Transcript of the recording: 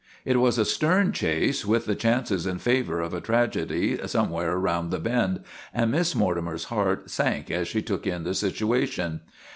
It was a stern chase, with the chances in favor of a tragedy somewhere around the bend, and Miss Mortimer's heart sank as she took in the situation.